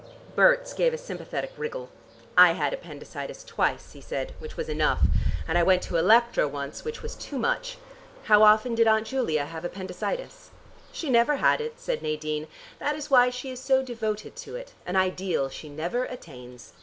Berts gave a sympathetic wriggle. "I had appendicitis twice," he said, "which was enough, and I went to Electra once which was too much. How often did Aunt Julia have appendicitis?" "She never had it," said Nadine. "That is why she is so devoted to it, an ideal she never attains.